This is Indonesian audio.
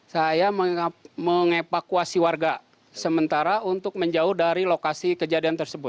saya mengevakuasi warga sementara untuk menjauh dari lokasi kejadian tersebut